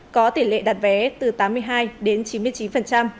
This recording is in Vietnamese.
có tỷ lệ đặt vé từ tám mươi hai đến chín mươi chín